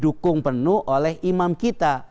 dukung penuh oleh imam kita